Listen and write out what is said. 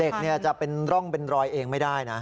เด็กจะเป็นร่องเป็นรอยเองไม่ได้นะ